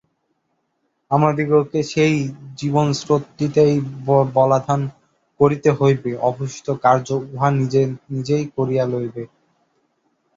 আমাদিগকে সেই জীবনস্রোতটিতেই বলাধান করিতে হইবে, অবশিষ্ট কার্য উহা নিজে নিজেই করিয়া লইবে।